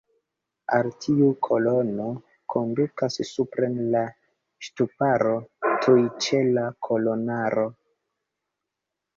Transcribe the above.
Al tiu kolono kondukas supren la ŝtuparo tuj ĉe la kolonaro.